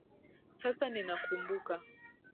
Sasa ninakumbuka.